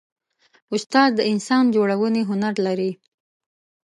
استاد د انسان جوړونې هنر لري.